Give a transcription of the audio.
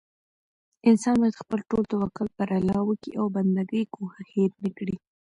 انسان بايد خپل ټول توکل پر الله وکي او بندګي کوښښ هير نه کړي